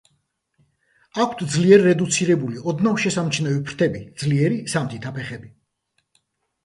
აქვთ ძლიერ რედუცირებული, ოდნავ შესამჩნევი ფრთები, ძლიერი, სამთითა ფეხები.